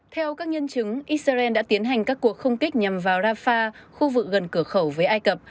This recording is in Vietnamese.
theo các nhân chứng israel đã tiến hành các cuộc không kích nhằm vào rafah khu vực gần cửa khẩu với ai cập